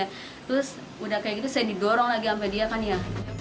terus udah kayak gitu saya didorong lagi sama dia kan ya